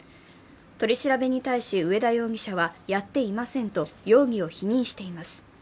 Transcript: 取り調べに対し上田容疑者はやっていませんと容疑を否認しています。